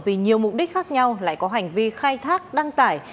vì nhiều mục đích khác nhau lại có hành vi khai thác đăng tải